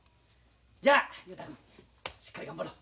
じゃあ雄太君しっかり頑張ろう。